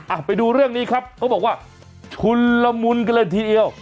ไปดูเรื่องนี้ครับเขาบอกว่าชุนละมุนกันเลยทีเดียว